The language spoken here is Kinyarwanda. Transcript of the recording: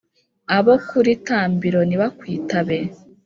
abo kuri tambiro nibakwitabe,